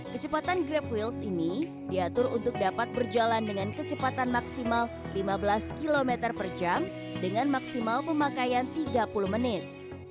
kecepatan grab wheels ini diatur untuk dapat berjalan dengan kecepatan maksimal lima belas km per jam dengan maksimal pemakaian tiga puluh menit